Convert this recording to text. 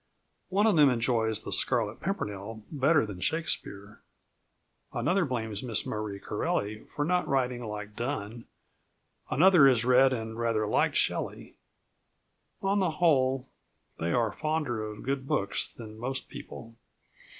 One of them enjoys The Scarlet Pimpernel better than Shakespeare; another blames Miss Marie Corelli for not writing like Donne; another has read and rather liked Shelley. On the whole, they are fonder of good books than most people.